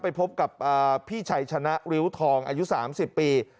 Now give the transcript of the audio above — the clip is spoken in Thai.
ไปพบกับพี่ชัยชนะริ้วทองอายุ๓๐ปี